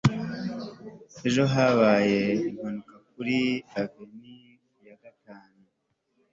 ejo habaye impanuka kuri avenue ya gatanu